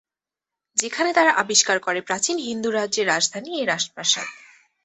যেখানে তারা আবিষ্কার করে প্রাচীন হিন্দু রাজ্যের রাজধানী এ রাজপ্রাসাদ।